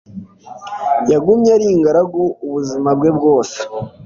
Yagumye ari ingaragu ubuzima bwe bwose.